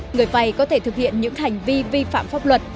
người vay có thể thực hiện những hành vi vi phạm pháp luật